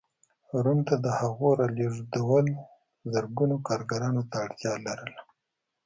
روم ته د هغو رالېږدول زرګونو کارګرانو ته اړتیا لرله.